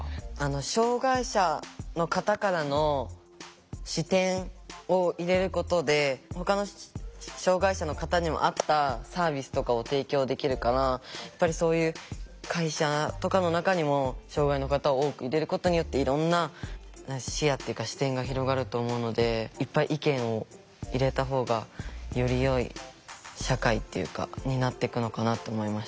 障害者の方からの視点を入れることでほかの障害者の方にも合ったサービスとかを提供できるからやっぱりそういう会社とかの中にも障害の方を多く入れることによっていろんな視野っていうか視点が広がると思うのでいっぱい意見を入れたほうがよりよい社会っていうかになっていくのかなって思いました。